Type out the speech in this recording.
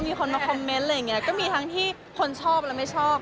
มีคนมาคอมเมนต์อะไรอย่างเงี้ยก็มีทั้งที่คนชอบและไม่ชอบ